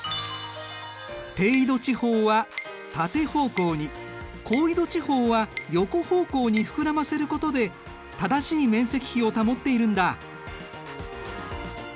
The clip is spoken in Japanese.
低緯度地方は縦方向に高緯度地方は横方向に膨らませることで正しい面積比を保っているんだ。